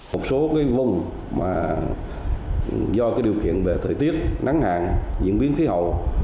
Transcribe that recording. một số cái vùng mà do cái điều kiện về thời tiết nắng hạn diễn biến khí hậu